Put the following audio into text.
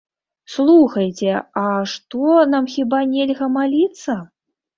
Слухайце, а што, нам хіба нельга маліцца?